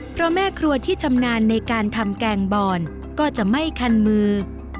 เพราะแม่ครัวที่ชำนาญในการทำแกงบอนก็จะไม่คันมือ